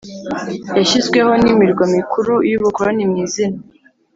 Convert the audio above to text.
yashyizweho n imirwa mikuru y ubukoroni mu izina